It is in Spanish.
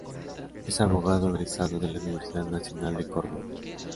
Es abogado egresado de la Universidad Nacional de Córdoba.